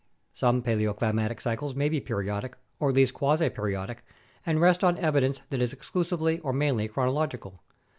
Some paleoclimatic cycles may be periodic, or at least quasi periodic, and rest on evidence that is exclusively or mainly chronological.